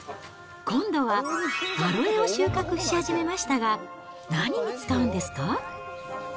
今度はアロエを収穫し始めましたが、何に使うんですか。